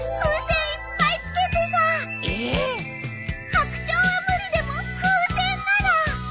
白鳥は無理でも風船なら。